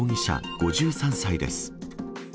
５３歳です。